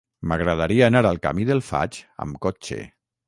M'agradaria anar al camí del Faig amb cotxe.